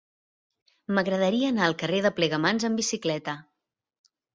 M'agradaria anar al carrer de Plegamans amb bicicleta.